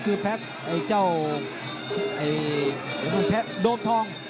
คือแพ้โดมทอง